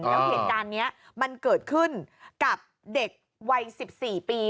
แล้วเหตุการณ์นี้มันเกิดขึ้นกับเด็กวัย๑๔ปี